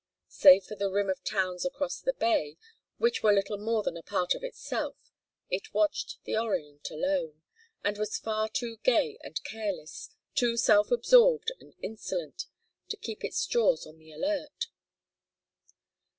Save for the rim of towns across the bay, which were little more than a part of itself, it watched the Orient alone, and was far too gay and careless, too self absorbed and insolent, to keep its jaws on the alert.